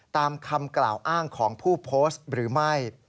ตามคำกล่าวอ้างของผู้โพสต์หรือไม่